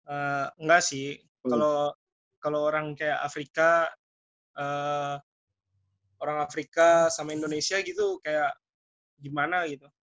enggak sih kalau orang kayak afrika orang afrika sama indonesia gitu kayak gimana gitu